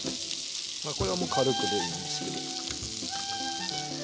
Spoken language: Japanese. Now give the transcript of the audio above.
これはもう軽くでいいですけど。